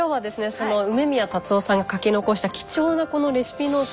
その梅宮辰夫さんが書き残した貴重なこのレシピノート。